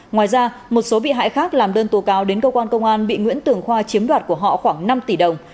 ngoài ra một số bị hại khác làm đơn tố cáo đến cơ quan công an bị nguyễn tường khoa chiếm đoạt của họ khoảng năm tỷ đồng